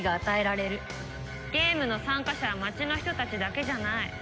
「ゲームの参加者は町の人たちだけじゃない」